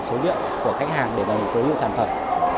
số liệu của khách hàng để bảo hiểm tới những sản phẩm